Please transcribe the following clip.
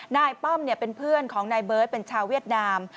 ป้อมเป็นเพื่อนของนายเบิร์ตเป็นชาวเวียดนาม